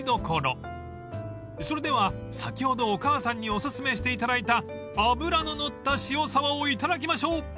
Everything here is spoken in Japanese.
［それでは先ほどお母さんにお薦めしていただいた脂の乗った塩さばをいただきましょう］